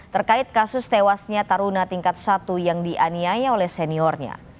terkait kasus tewasnya taruna tingkat satu yang dianiaya oleh seniornya